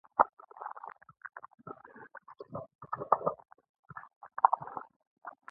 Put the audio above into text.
افغانستان په آب وهوا باندې تکیه لري.